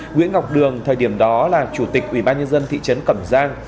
nguyễn ngọc đường thời điểm đó là chủ tịch ủy ban nhân dân thị trấn cầm giang